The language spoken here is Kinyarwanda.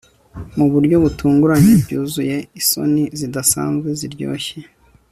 Mu buryo butunguranye byuzuye isoni zidasanzwe ziryoshye